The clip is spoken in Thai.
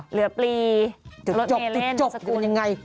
เหลือปลีรถเมล์เล่นสกุล